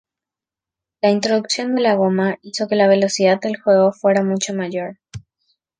La introducción de la goma hizo que la velocidad del juego fuera mucho mayor.